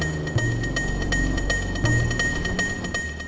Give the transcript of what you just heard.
pantai asuhan mutiara bunda